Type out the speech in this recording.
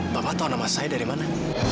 bapak tahu nama saya dari mana